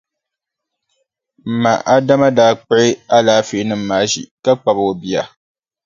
M ma Adama daa kpuɣi alaafeenima maa ʒi ka kpabi o bia.